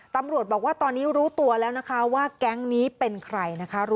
ตำรวจบอกว่าตอนนี้รู้ตัวแล้วนะคะว่าแก๊งนี้เป็นใครนะคะ